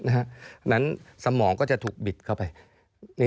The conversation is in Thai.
เพราะฉะนั้นสมองก็จะถูกบิดเข้าไป